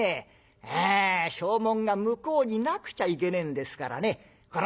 ええ証文が向こうになくちゃいけねえんですからねこらぁ